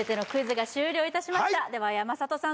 はいでは山里さん